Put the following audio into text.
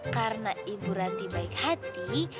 karena ibu ranti baik hati